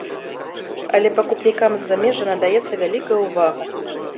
Але пакупнікам з замежжа надаецца вялікая ўвага.